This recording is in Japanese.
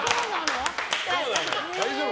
大丈夫？